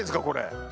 これ。